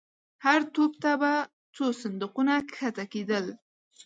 هر توپ ته به څو صندوقونه کښته کېدل.